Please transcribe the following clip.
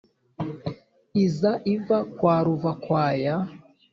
Iza iva kwa ruvakwaya